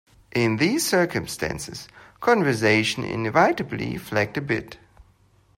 In these circumstances, conversation inevitably flagged a bit.